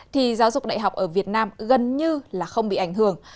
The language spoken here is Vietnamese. thì giáo dục đại học ở việt nam gần như là không bị ảnh hưởng